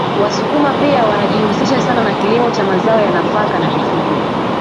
Wasukuma pia wanajihusisha sana na kilimo cha mazao ya nafaka na mifugo